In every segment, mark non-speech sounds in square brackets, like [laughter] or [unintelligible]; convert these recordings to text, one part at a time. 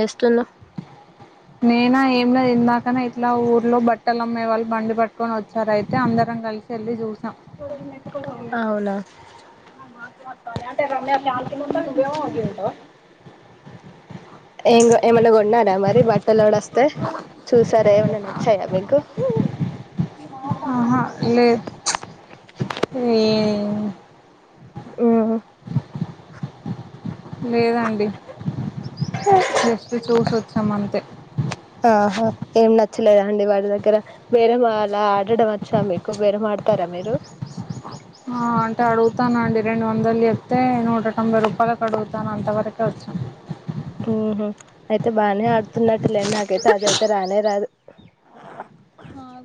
నేస్టున్నా నేనా ఏమ్ లా యేన్న కానీ ఇట్లా ఊర్లో బట్టలు అమ్మే వాళ్ళు బండి పట్టుకొని వచ్చారు అయితే అందరం కలిసి వెళ్ళి చూసమ్. అవ్నా అంటే రమ్య శాంతిని ఉంట నువ్వేమో గింటావ్ ఇంగ్ ఏమన్నా కొన్నారా మరి బట్టలోడు, వస్తే చూసారా ఏమన్నా నచ్చాయా మీకు. [unintelligible] ఏ ఏన్ ఉ లేదండి జస్ట్ చూసోచ్చాం అంతే ఆహా ఏం నచ్చలేదా అండి వాడి దగ్గర బేరేమ అలా ఆడడం వచ్చా మీకు బేరే ఆడతారా మీరు. హ అంటే అడుగుతాను అండి రెండు వందలు చెప్తే నూట తొంభై రూపాయలకు అడుగుతాను అంతవరకే వచ్చు. టుహ అయితే బానే ఆడుతున్నట్టులేండి నాకైతే అదైతే రానే రాదు.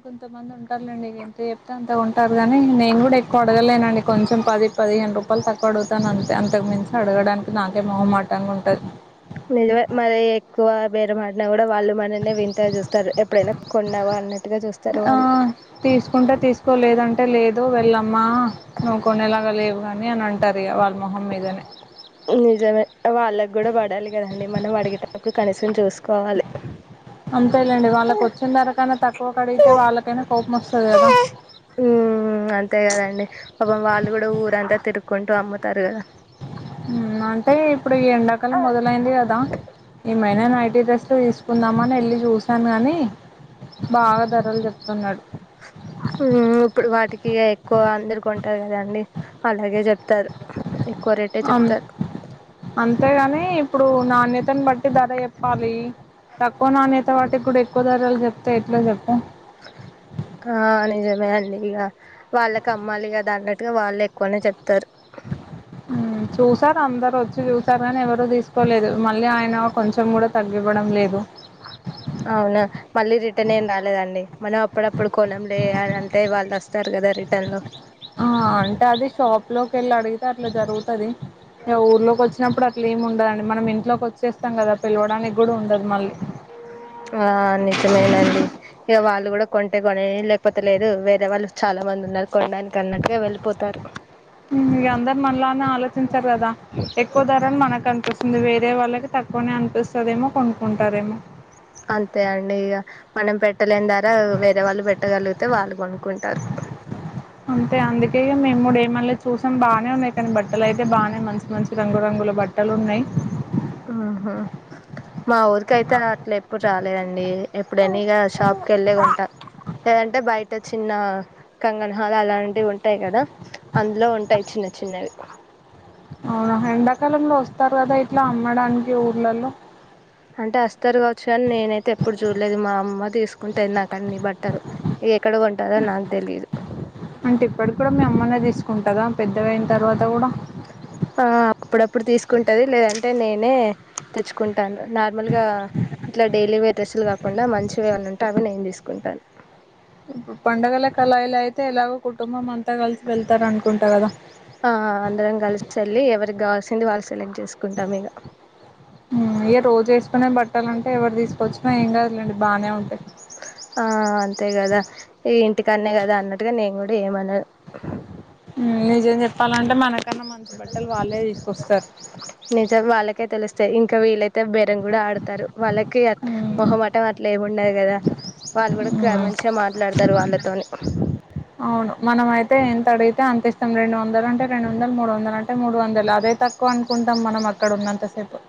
కొంత మంది ఉంటారుండి ఎంతి చెప్తే అంత కొంటారు కాని నేను కూడా ఎక్కువ అడగలేనండి, కొంచెం పది పదిహేను రూపాయలు తక్కువ అడుగుతానుంతే అంతకు మించి అడగడానిక్ నాకే మొహమ్మాటంగా ఉంటది నిజమే మరి ఎక్కువ బేర మాడిన కూడా వాళ్ళు మననే వింత చూస్తారు ఎప్పుడైనా కొన్నావా అన్నట్ ఆ తీసుకుంటే తీసుకో లేదంటే లేదు వెళ్ళమ్మా నువ్వు కొనేలాగా లేవ్ వానిన్ అంటారు ఇంకా వాళ్ళు నిజమే వాళ్ళకి కూడా పడాలి కధా అండి మనం అడిగేటప్పుడు కనిసమ్ చున్ చూసుకోవాలి అంతేలేండి వాళ్ళకి వచ్చిన ధర కన్నా తక్కువ కడిగితే వాళ్ళకైనా కోపం వస్తది కదా. మ్మ్ అంతే కొంట్ర అమన్ తారు కదా ఉమ్ అంటే ఇప్పుడు ఈ ఎండాకాలం మొదలైంది కదా ఏమైన నైటీస్ యెస్ తీసుకుందామని వెళ్ళి చూసాను గాని బాగా ధరలు చెప్తున్నాడు హు ఇప్పుడు వాటికి ఎక్కువ అందరు కొంటారు కదండి అలాగే చెప్ అ అంతేగాని ఇప్పుడు నా నీతిని బా ధర చెప్పాలి తక్కువ నాన్యాత వాటికి కూడా ఎక్కువ ధరలు చెప్తే ఎట్లా చెప్పండి మీ అండి ఇగా వాళ్ళకి అమ్మాలి గాద అన్నట్టుగా వాళ్ళు ఎక్కువనే చెప్ తరు హ్మ్. చూసారు అందరు వచ్చి చూసారు కానీ ఎవరు తీసుకోలేదు మళ్ళీ ఆయన కొంచెం కూడా తగ్గివ్వడం లేదు అవునా మళ్ళీ రిటర్న్ ఏం రాలేదండి మనం అప్పుడప్పుడు కొనంలే అని అంటే వాళ్ళు వస్తారు కదా రిటర్న్ లో ఆ అంటే అది షాప్ లోకి వెళ్ళి అడిగితే అట్లా జరుగుతుది ఊర్లోకి వచ్చినప్పుడు అట్లా ఏమి ఉండదండి మనం ఇ ఇంట్లోకి వచ్చేస్తాం కదా పిలవడానికి కూడా ఉండదు మళ్ళీ ఆ నిజమేనండి ఇక వాళ్ళు కూడా కొంటే కొననీ లేకపోతే లేదు వేరే వాళ్ళు చాలా మంది ఉన్నారు కొనడానికి అన్నటుగా వెళ్ళిపోతారు ఇగా అందరు మనలానే ఆలోచించారు కదా ఎక్కువ ధరని మనకు అనిపిస్తుంది వేరే వాళ్ళకి తక్కువనే అనిపిస్తుదేమో కొనుక్కుంటారేమో అంతే అండి ఇక మనం పెట్టలేని దారా వేరే వాళ్ళు పెట్టగలిగితే వాళ్ళు కొనుక్కుంటారు అంతే అందుకి మేము కూడు ఏమలే చూసామ్ బానే ఉన్నాయి కానీ బట్టలు అయితే బానే మంచి మంచి రంగురంగుల బట్టలు ఉన్నాయి అ హ మా ఊరికైతే అట్లా ఎప్పుడు రాలేదండి ఎప్పుడైనా ఇగా షాప్కి ఏళ్ళే కొంట లేదంటే బయట చిన్న కంగనా హాల్ అలాంటివి ఉంటాయి కదా అందులో ఉంటాయి చిన్న చిన్నవి అవునా ఎండాకాలంలో వస్తారు కదా ఇట్లా అమ్మడానికి ఊర్లలో అంటే అస్తారు కావచ్చు కాని నేను అయితే ఎప్పుడు చూడలేదు మా అమ్మ తీసుకుంటది నాకు అన్ని బట్టలు ఇగా ఎక్కడ కొంటందొ నాకు తెలిదు దా పెద్దగ అయిన తర్వాత కూడా అ అప్పుడప్పుడు తీసుకుంటాది లేదంటే నేనే తెచ్చుకుంటాను నార్మల్గా ఇట్లా డేలీ వేర్ డ్రెస్సులు కాకుండా మంచివేమన్న ఉంటే అవి నేను తీసుకుంటాను పండగలకు అలా ఇలా అయితే ఎలాగో కుటుంబం అం ఆ అందరం కలిసి వెళ్లి ఎవరికి కావాల్సింది వాళ్ళు సెలెక్ట్ చేసుకుంటాం ఇగ ఇగా రోజు ఎసుకునే బట్టాలంటే ఎవరు తీసుకొచ్చిన ఏం కాదులేండి బానే ఉంటాయి ఆ అంతే కదా ఇ ఇంటికన్నే కదా అన్నట్టుగా నేను కూడా ఏమనా హూ నిజం చెప్పాలంటే మనకన్నా మంచి బట్టలు వాళ్ళే తీసుకొస్తారు యి ఇంకా వీళ్ళైతే బెరం కూడా ఆడుతారు వాళ్ళకి ఉమ్, మోహమాటం లేముండదు కదా వాళ్ళు కూడా ఉమ్, మంచిగా మాట్లాడుతారు వాళ్ళతోని అవును మనము అయితే ఎంత అడిగితే అంత ఇస్తాం రెండు వం రెండు వందలు అంటే రెండు వందలు మూడు వందలు అంటే మూడు వందలు అదే తక్కువ అనుకుంటాం మనం అక్కడ ఉన్నంతసేపు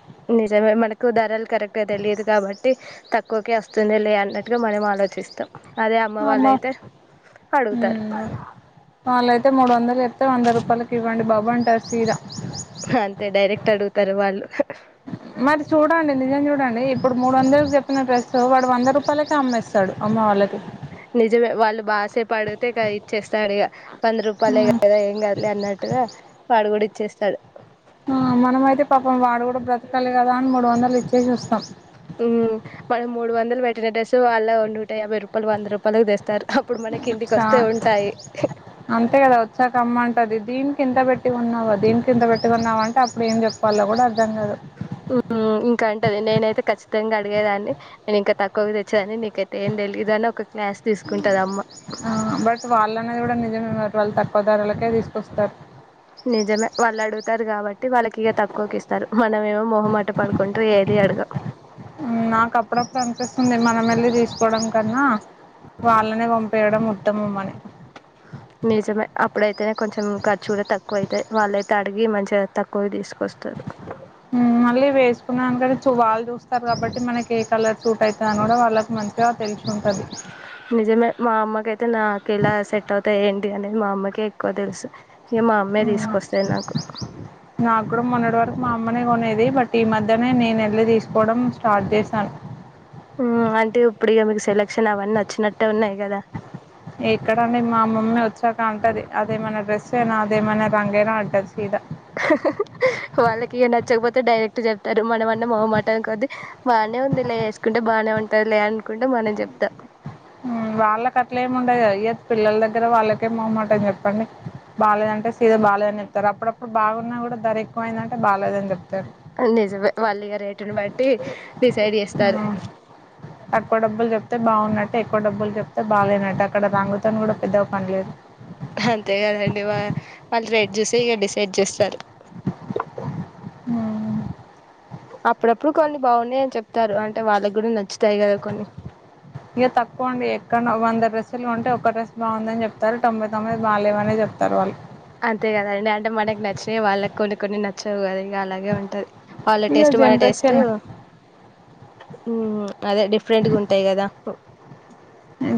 ఎక్కువ ధరలు కరెక్ట గా తెలియదు కాబట్టి తక్కువకే వస్తుందిలే అన్నట్టుగా మనం ఆలోచిస్తాం అదే అమ్మ వాళ్ళయితే అడుగుతారు మ్మ్ వాళ్ళు అయితే మూడు వందలు చేప్తే వంద రూపాయలకి ఇవ్వండి బాబు వంటరు అంతే డైరక్ట్ ఆడుగు తారు వాళ్ళు మరి చూడండి నిజం చూడండి ఇప్పుడు మూడు వందలకి చెప్పిన డ్రెస్సు వాడు వంద రూపాయలకే అమ్మేస్తాడు అమ్మ వాళ్ళకి నిజమే వాళ్ళు బా సేపు అడుగుతే ఇగా ఇచ్చేస్తాడు ఇగా వంద రూపాయలే కదా ఎం కాదులే అన్నట్టుగా వాడు కూడా ఇచ్చేస్తాడు ఆ మనము అయితే పాపం వాడు కూడా బ్రతకాలి కదా అని మూడు వందలు ఇచ్చేసి అస్తాం ఇగా డ్రెస్ వాళ్ళ నూటా యాభై రూపాలు వంద రూపా పాలు తెస్ చా అంతే కదా వచ్చాక అమ్మ అంటది దీనికి ఇంత పెట్టి కోన్నావా దీనికి ఇంత పెట్టీ కొన్నవా అంటే అప్పుడు ఏం చెప్పలో కూడా అర్థం కాదు స్ట్ ఇంకా అంటది నేనైతే ఖచ్చితంగా అడిగేదాన్ని నేను ఇంకా తక్కువ తెచ్చాదని నీకైతే ఏం తెలీయదు అని ఒక క్లాస్ తీసుకుంటదమ్మ. ఆ బట్ వాళ్ళనే కూడా ఎ నిజమ వాళ్ళ త పదారులకే తీసుకొస్తారు అంటారు కాబట్టి వాళ్ళకి ఇక తక్కువకి ఇస్తారు మనమేమో మోహమాట పడుకుంటూ ఏది అడగ నాకు అప్పుడప్పుడు అనిపిస్తుంది మనం వెళ్ళి తీసుకోవడం కన్నా వాళ్ళనే పంపేయడం ఉత్తమమని నిజమే అప్పుడైతేనే కొంచెం ఖర్చు కూడా తక్కువ అయితాయి వాళ్ళయితే అడిగి మంచిగా తక్కువ తీసుకు హ్మ్ మళ్ళీ వేస్ అందగనించి వాల్ చూస్తారు కాబట్టి మనకి ఏ కలర్ సూట్ అయితది అని కూడా వాళ్ళకి మంచిగా తెలిసి ఉంటది నిజమే మా అమ్మకైతే నాకెలా సెట్ అవుతాయి ఏంటి అనేది మా అమ్మకి నాకు. నా కూడా మొన్నటి వరకు మా అమ్మనే కొనేది బట్ ఈ మధ్యనే నేను వెళ్ళి తీసు హ్మ్ అంటే ఇప్పుడు ఇక మీకు సెలక్షన్ అవన్నీ వచ్చినట్టు ఎక్కడండి మామూలు మ్మ్ వాచ్ గా అంటది అదేమనా డ్రెస్ ఎనా అదేమనా రంగేనా అంటది ఇదా వాళ్ళకి ఈ నచ్చకపోతే డైరెక్ట్ చెప్తారు మనమన్నా మొహమాటం కొద్ది బానే ఉంది లే వేసుకుంటే బానే ఉంటది లే అనుకుంట మనం చెప్తాం మ్ వాళ్ళకట్లేమి ఉండదు కదా ఎత్ పిల్లల దగ్గర వాళ్ళకేమ్ మొహమాటం చెప్పండి బాలేదంటే సీద బాలేదని చెప్తారు అప్పుడప్పుడు బాగున్నా కూడా ధర ఎక్కువైందంటే బాలేదని చెప్తారు నిజమే వాళ్ళీగా రేటుని బట్టి డిసైడ్ చేస్తారు హ్మ్. తక్కువ డబ్బులు జెప్తే బావున్నట్టు, ఎక్కువ డబ్బులు చెప్తే బాగాలేనట్టు అక్కడ రాంగుతోని కూడా పెద్దగ పనిలేదు అంతే కదండి వా వాళ్ళు రేట్ చూసే ఇక డిసైడ్ చేస్తారు హ్మ్. అప్పుడప్పుడు కొన్ని బాగున్నాయని చెప్తారు అంటే వాళ్ళకి కూడా నచ్చుతాయి కదా కొన్ని ఇవి తకువండి ఏకంగా వంద డ్రెస్ అసలు ఉంటే ఒక్క డ్రెస్ బాగుందని చెప్తారు తొంభై తొంభది బాలేవని చెప్తారు వాళ్ళు అంతే కదండి అంటే మనకి నచ్చినావి వాళ్ళకి కొన్ని కొన్ని నచ్చవు కద అలాగే ఉంటది వాళ్ళ ఇగ టేస్ట్ మన టేస్ట్ జనరేషన్ మ్ అదే డిఫరెంట్గా ఉంటాయి కదా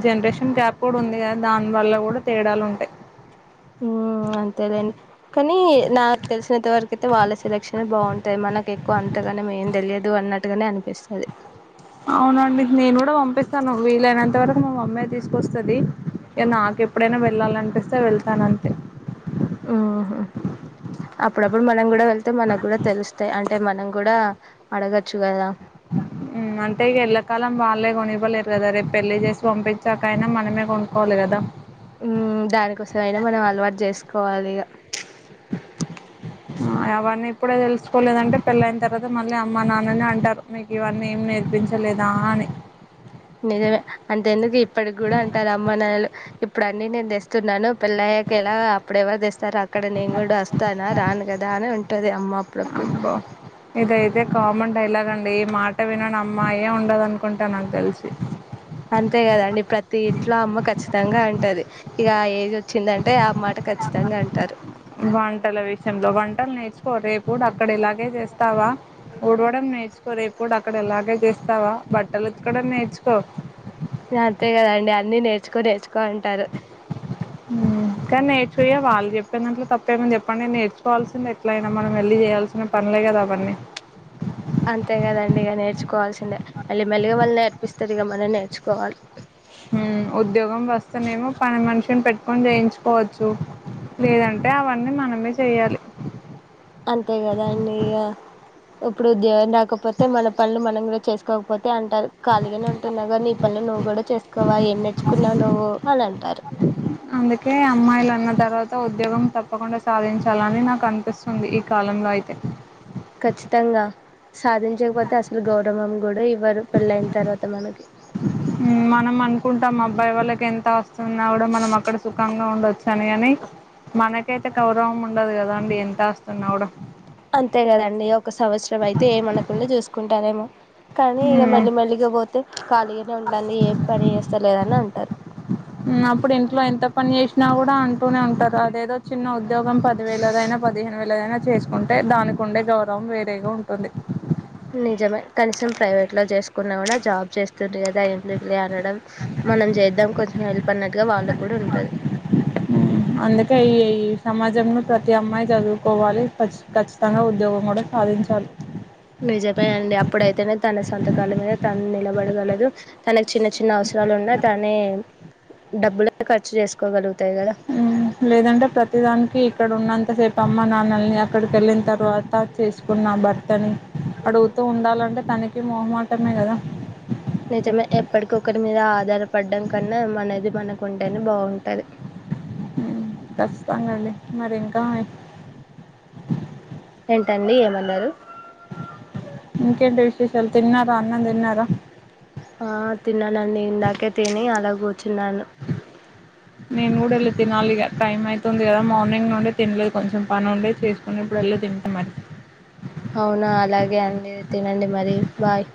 జనరషన్ కేపడ్ ఉంది కదా దాన్ దాని వల్ల కూడా తేడాలు ఉంటాయి మ్ అంతేలేండి కానీ నాకు తెలిసినంత వరకు అయితే వాళ్ళ సెలక్షన్ ఏ బాగుంటాయి మనకు ఎక్కువ అంతగానే మేం తెలియదు అన్నట్టుగానే అనిపిస్తది అవునండి నేను కూడా పంపిస్త తనుకు వీలైనంత వరకు మా మమ్మీ ఏ తీసుకొస్తది ఏ నాకేప్పుడేనా వె వెళ్ళాలనిపిస్తే వెళ్తాను అంతే ఉ అప్పుడప్పుడు మనం కూడా వెళ్తే మనకు కూడా తెలుస్తాయి అంటే మనం కూడా అడగచ్చు కదా మ్ అంటే ఇగ ఎళ్లకాలం వాళ్ళే కొనివ్వలేరు కదా రేపు పెళ్లి చేసి పంపించాకయినా మనమే కొనుక్కోవాలి కదా మ్ దానికోసంమయినా మనం అలవాటు చేసుకోం కోవాలిగా ఆ అవన్నీ ఇప్పుడే తెలుసుకోలేదంటే పెళ్ళయిన తర్వాత మళ్ళీ అమ్మ నాన్నని అంటారు మీకు ఇవన్నీ ఏం నేర్పించలేదా అని నిజమే అంత ఎందుకు ఇప్పటికి కూడా అంటారు అమ్మా నాలు ఇప్పుడు అన్ని నేను తెస్తున్నాను పెళ్ళయ్యాక ఎలా అప్పుడు ఎవరు తెస్తారో అక్కడ నేను కూడా వస్తానా రాను కదా అని ఉంటుంది అమ్మ అప్పుడప్పుడు అబ్బో అ ఈ మాట వినని అమ్మాయే ఉండదు అనుకుంటా నాకు తెలిసి అంతే కదండి ప్రతి ఇంట్లో అమ్మ ఖచ్చితంగా అంటది ఇక ఆ ఏజ్ వచ్చిందంటే ఆ మాట ఖచ్చితంగా అంటారు వంటల విషయంలో వంటలు నేర్చుకో రేపు పు డబ్ అక్కడ ఇలాగే చేస్తావా ఊడవడం నేర్చుకో రేపు డ అక్కడ అలాగే చేస్తావా బట్టలు ఉతకడం నేర్చుకో అంతే కద అండి అన్నీ నేర్చుకో నేచుకో కా అంటారు కానీ నేర్చుయ వాళ్ళు చెప్పిన దాంట్ లో తప్పేముంది చెప్పండి నేర్చుకోవాల్సింది ఎట్లయినా మనం వెళ్ళి చేయాల్సిన పనులే కదా అవన్నీ అంతే కదండి ఇక నేర్చుకోవాల్సిందే మళ్ళీ మెలిగా వాళ్ళు నేర్పిస్తారు ఇక మనం నేర్చుకోవాలి కొన్ని చేయించుకోవచ్చు లేదంటే అవన్నీ మనమే చేయాలి అంతే కదా అండి ఇగ ఇప్పుడు ఉద్యోగం రాకపోతే మల పనులు మనం కూడా చేసుకోకపోతే అంటరు ఖాళీగానే ఉంటున్నావు కద నీ పనులు నువ్వు కూడా చేసుకో నువ్వా ఏం నేడుచ్చుకున్నావు నువ్వు వాల్ అంటారు అందుకే అమ్మాయిలు అన్న తర్వాత ఉద్యోగం తప్పకుండా సాధించాలని నాకు అనిపిస్తుంది ఈ కాలంలో అయితే ఖచ్చితంగా సాధించకపోతే అసలు గౌరవం కూడా ఇవ్వరు పెళ్లయిన తర్వాత మనకి తమ అబ్బాయి వాళ్ళకి ఎంత ఆస్తి ఉన్న కూడా మనం అక్కడ సుఖంగా ఉండొచ్చు తనీ అని మనక్ చేస్తే గౌరవం ఉండదు కదా అండి ఎంత ఆస్తి ఉన్నా కూడా అంతే కదండి ఒక సంవత్సరం అయితే ఏమనకుండా చూసుకో కుంటారేమో కానీ ఇక మెల్లి మెల్లిగా పోతే ఖాళీగానే ఉంటాంది ఏ పని చేస్త సర్లేదన అంటారు అప్పుడు ఇంట్లో ఎంత పని చేసినా కూడా అంటూనే ఉంటారు అదేదో చిన్న ఉద్యోగం పది వేలదైనా పదిహేను వేలదైనా చేసుకుంటే దానికి ఉండే గౌరవం వేరేగా ఉంటుంది నిజమే కనీసం ప్రైవేట్ లో చేసుకున్నా కూడా జాబ్ చేస్తుంది కదా ఎందుకు లే అనడం మనం చేద్దాం కొంచెం హెల్ప్ అన్నట్టుగా వాళ్ళకి కూడా ఉంటాది అందుకే ఈ ఈ సమాజంలో ప్రతి అమ్మాయి చదువుకోవాలి కచ్ ఖచ్చితంగా ఉద్యోగం కూడా సాధించాలి నిజమే అండి అప్పుడైతేనే తన సొంతకాల మీద తను నిలబడగలదు తనకు చిన్న చిన్న అవసరాలు ఉన్నా తనే డబ్బులు ఖర్చు చేసుకోగలుగు ఉమ్ లేదంటే ప్రతి దానికి ఇక్కడ ఉన్నంత సేపు అమ్మ నాన్నల్ని అక్కడికి వెళ్ళిన తర్వాత చేసుకున్నాం భర్త ని అడుగుతూ ఉండాలంటే తనే మొహమాటమే కదా నిజమే ఎప్పటి ఒక్కరి మీద ఆధారపడం కన్నా మనది మనకు ఉంటే నే బాగుతాది ఉమ్ ఖచ్చితంగా అండి మరి ఇంకా ఏంటండి ఏమన్నారు ఇంకేంటి విశేషాలు తిన్నారా అన్నం తిన్నారా ఆ తిన్నానండి ఇందాకే తిని అలా కూర్చున్నాను మేం కూడా వెళ్ళితే నాలుగు టైం అయితుంది కదా మార్నింగ్ నుండి తినలేదు కొంచెం పని ఉండే చేసుకుని ఇప్పుడు వెళ్ళి తింటాం మరి అవునా అలాగే అండి తినండి మరి బాయ్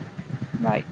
బాయ్